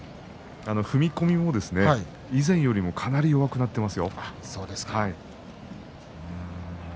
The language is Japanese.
踏み込みも以前よりもかなり弱くなっていますよ。